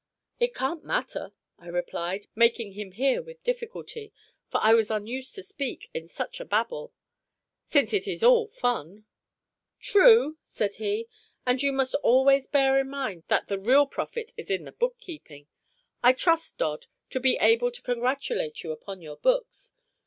"It can't matter," I replied, making him hear with difficulty, for I was unused to speak in such a babel, "since it is all fun." "True," said he; "and you must always bear in mind that the real profit is in the book keeping. I trust, Dodd, to be able to congratulate you upon your books.